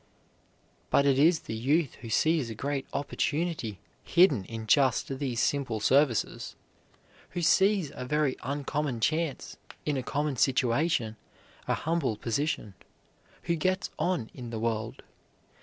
But it is the youth who sees a great opportunity hidden in just these simple services, who sees a very uncommon chance in a common situation, a humble position, who gets on in the world.